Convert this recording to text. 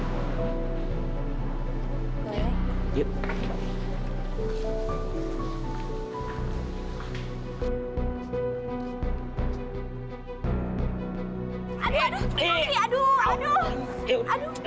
gimana kalau sekarang water fitur disebut ladiesst